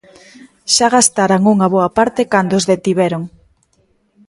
Xa gastaran unha boa parte cando os detiveron.